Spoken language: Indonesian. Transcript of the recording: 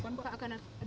pak akan ada rencana